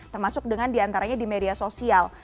termasuk dengan diantaranya di media sosial